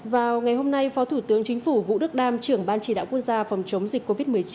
vào ngày hôm nay phó thủ tướng chính phủ vũ đức đam trưởng ban chỉ đạo quốc gia phòng chống dịch covid một mươi chín